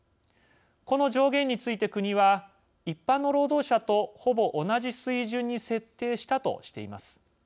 この上限について、国は一般の労働者とほぼ同じ水準に設定したとしています。